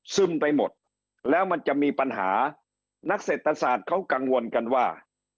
ไปหมดแล้วมันจะมีปัญหานักเศรษฐศาสตร์เขากังวลกันว่า